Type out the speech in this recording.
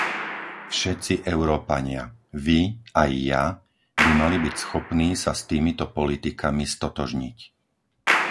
Všetci Európania, vy aj ja, by mali byť schopní sa s týmito politikami stotožniť.